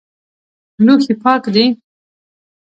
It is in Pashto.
لوښي پاک دي؟